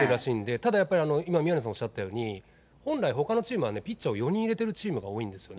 ただやっぱり、今、宮根さんおっしゃったように、本来、ほかのチームはピッチャーを４人入れてるチームが多いんですよ。